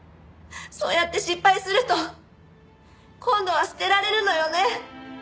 そうやって失敗すると今度は捨てられるのよね。